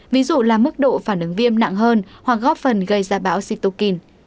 ví dụ là mức độ phản ứng viêm nặng hơn hoặc góp phần gây ra bão situkin